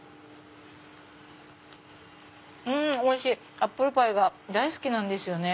アップルパイが大好きなんですよ。